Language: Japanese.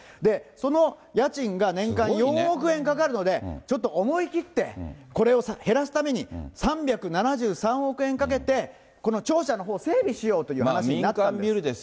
その家賃が年間４億円かかるので、ちょっと思い切って、これを減らすために３７３億円かけて、この庁舎のほう、整備しようという話になったんです。